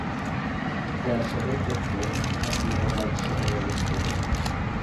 যার সদরদপ্তর আহমেদাবাদ শহরে অবস্থিত।